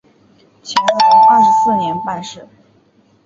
乾隆二十四年办事。